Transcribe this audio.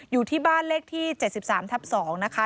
อยู่ที่บ้านเลขที่๗๓ทับ๒นะคะ